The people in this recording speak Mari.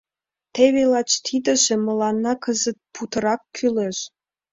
— Теве лач тидыже мыланна кызыт путырак кӱлеш.